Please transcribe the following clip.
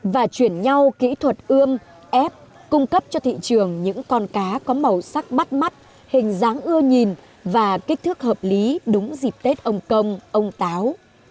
và chuyển nhau kỹ thuật ươm ép cung cấp cho thị trường những con cá có màu sắc bắt mắt hình dáng ưa nhìn và kích thước hợp lý đúng dịp tết ông công ông táo